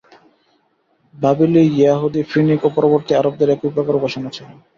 বাবিলী, য়াহুদী, ফিনিক ও পরবর্তী আরবদের একই প্রকার উপাসনা ছিল।